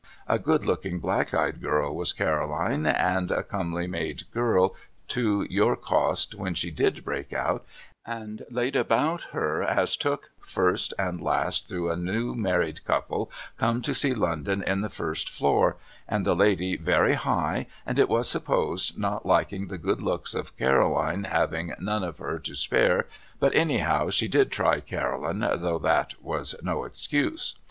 A good looking black eyed girl was Caroline and a comely made girl to your cost wlien she did break out and laid about her, as took place first and last through a new married couple come to see London in the first floor and the lady very high and it was supposed not liking the good looks of Caroline having none of her own to spare, but anyhow she did try Caroline though that was no excuse.